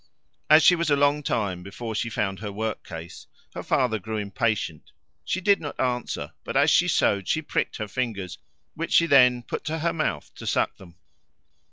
As she was a long time before she found her work case, her father grew impatient; she did not answer, but as she sewed she pricked her fingers, which she then put to her mouth to suck them.